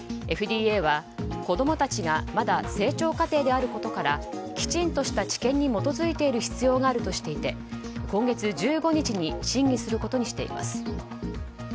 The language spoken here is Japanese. ＦＤＡは、子供たちがまだ成長過程であることからきちんとした治験に基づいている必要があるとしていて今月１５日に審議することにしています。